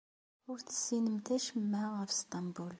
Ur tessinemt acemma ɣef Sṭembul.